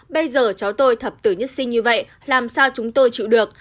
bây giờ cháu tôi thập tử nhất sinh như vậy làm sao chúng tôi chịu được